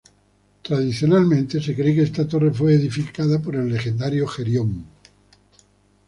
Tradicionalmente, se cree que esta torre fue edificada por el legendario Gerión.